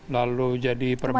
lalu jadi perempat